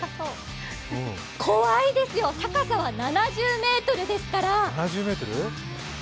怖いですよ、高さは７０ｍですから。